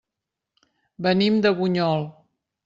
Venim de Bunyol.